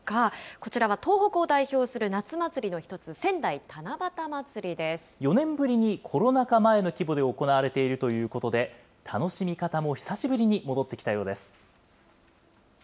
こちらは東北を代表する夏祭りの一つ、４年ぶりにコロナ禍前の規模で行われているということで、楽しみ方も久しぶりに戻ってきたようです。